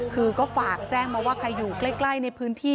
คือก็ฝากแจ้งมาว่าใครอยู่ใกล้ในพื้นที่